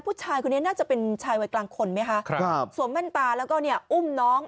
ผู้ชายคนนี้น่าจะเป็นชายวัยกลางคนไหมคะครับสวมแว่นตาแล้วก็เนี่ยอุ้มน้อง